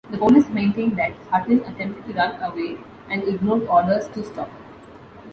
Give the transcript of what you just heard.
The police maintained that Hutton attempted to run away and ignored orders to stop.